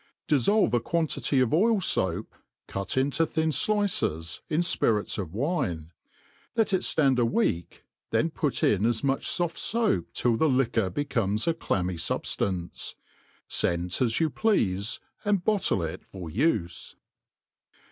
DISSOLVE a quantity of oil foap, cut into thin dices, irf fpirits of wine ; let it Itand a week, then put in as much foft foap till the liquor becomes of a clammy fubftance : fcent as you pleafe, and bottle it for ufe.